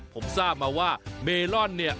ผมทราบมาเมลอลเนี่ย